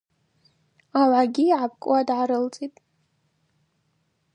Аугӏагьи йгӏапкӏуа дгӏарылцӏитӏ.